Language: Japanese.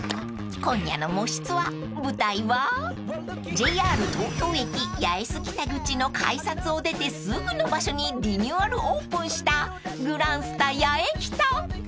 ［今夜の『もしツア』舞台はＪＲ東京駅八重洲北口の改札を出てすぐの場所にリニューアルオープンしたグランスタ八重北］